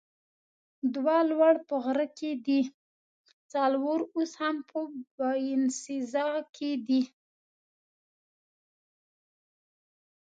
دوه لوړ په غره کې دي، څلور اوس هم په باینسیزا کې دي.